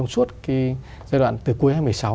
suốt cái giai đoạn từ cuối hai nghìn một mươi sáu